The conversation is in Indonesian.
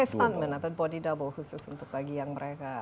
untuk stuntman atau body double khusus untuk bagian mereka